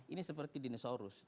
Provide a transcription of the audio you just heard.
ini seperti dinosaurus